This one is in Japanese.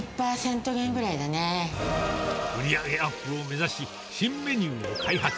売り上げアップを目指し、新メニューを開発。